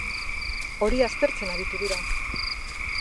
Hori aztertzen aritu dira.